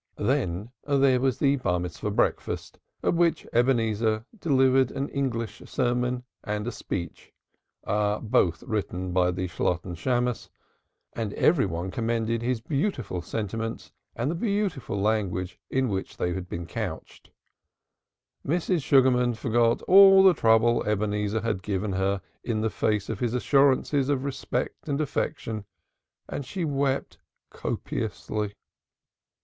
Then there was the Bar mitzvah breakfast, at which Ebenezer delivered an English sermon and a speech, both openly written by the Shalotten Shammos, and everybody commended the boy's beautiful sentiments and the beautiful language in which they were couched. Mrs. Sugarman forgot all the trouble Ebenezer had given her in the face of his assurances of respect and affection and she wept copiously.